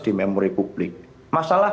di memori publik masalah